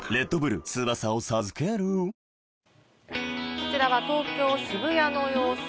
こちらは東京・渋谷の様子。